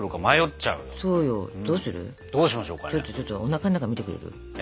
ちょっとちょっとおなかの中見てくれる？え？